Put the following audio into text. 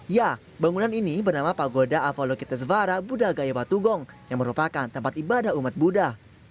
ya bangunan ini bernama pagoda avalokiteshvara buddha gayawatung yang merupakan tempat ibadah umat buddha